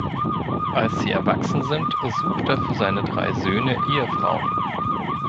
Als sie erwachsen sind, sucht er für seine drei Söhne Ehefrauen.